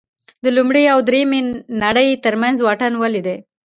د لومړۍ او درېیمې نړۍ ترمنځ واټن ولې دی.